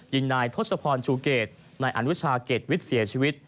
ยิงนายทศพรชูเกตนายอนุชาเกรดวิทย์เสียชีวิต